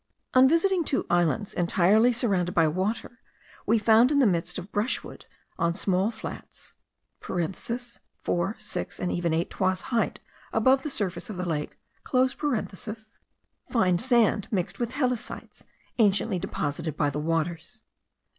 On visiting two islands entirely surrounded by water, we found in the midst of brushwood, on small flats (four, six, and even eight toises height above the surface of the lake,) fine sand mixed with helicites, anciently deposited by the waters.